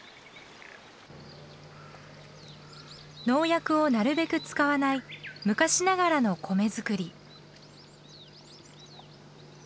農薬をなるべく使わない昔ながらの米作り。